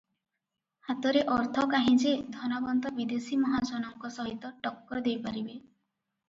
ହାତରେ ଅର୍ଥ କାହିଁ ଯେ, ଧନବନ୍ତ ବିଦେଶୀ ମହାଜନଙ୍କ ସହିତ ଟକ୍କର ଦେଇ ପାରିବେ ।